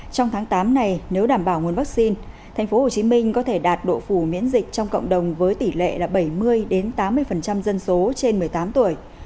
trong tháng tám này nếu đảm bảo nguồn vaccine tp hcm có thể đạt độ phủ miễn dịch trong cộng đồng với tỷ lệ là bảy mươi tám mươi dân số trên một mươi tám tuổi